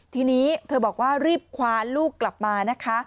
ทีนี้เธอบอกว่ารีบคว้าลูกกลับมานะคะ